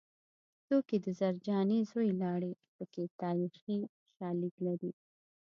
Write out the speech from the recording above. څوک یې د زرجانې زوی لاړې پکې تاریخي شالید لري